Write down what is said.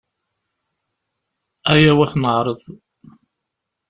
Aya-w ad t-neƐreḍ.